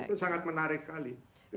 itu sangat menarik sekali